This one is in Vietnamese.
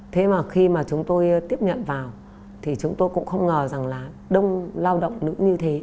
thế mà khi mà chúng tôi tiếp nhận vào thì chúng tôi cũng không ngờ rằng là đông lao động nữ như thế